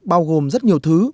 bao gồm rất nhiều thứ